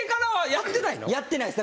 やってないです。